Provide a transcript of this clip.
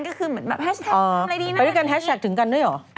ก็คือแฮชแท็กบอกว่าทำอะไรดีนะไปด้วยกันแฮชแท็กถึงกันด้วยเหรอ